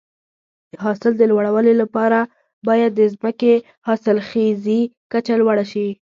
د حاصل د لوړوالي لپاره باید د ځمکې حاصلخیزي کچه لوړه شي.